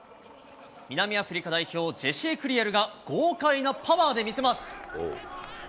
南アフリカ代表、ジェシー・クリエルが、豪快なパワーで見せます。